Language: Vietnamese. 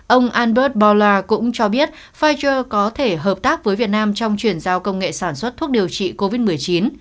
ông albert bola cũng cho biết pficher có thể hợp tác với việt nam trong chuyển giao công nghệ sản xuất thuốc điều trị covid một mươi chín